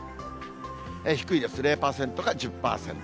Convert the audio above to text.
低いです、０％か１０％。